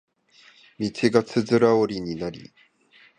道がつづら折りになり